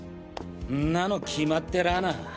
んなの決まってらな。